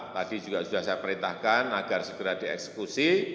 tadi juga sudah saya perintahkan agar segera dieksekusi